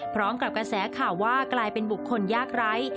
พร้อมกับกระแสข่าวว่ากลายเป็นบุคคลยากไร้